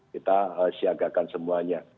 kita siagakan semuanya